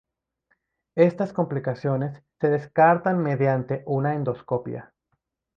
Estas complicaciones se descartan mediante una endoscopia.